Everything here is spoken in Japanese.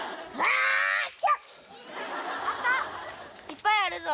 いっぱいあるぞ。